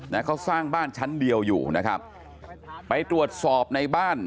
นะเขาสร้างบ้านชั้นเดียวอยู่นะครับไปตรวจสอบในบ้าน